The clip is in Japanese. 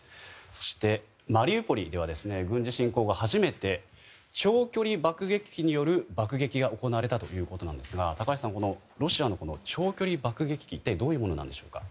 そして、マリウポリでは軍事侵攻後初めて長距離爆撃機による爆撃が行われたということですが高橋さん、ロシアの長距離爆撃機はどういうものなんでしょうか？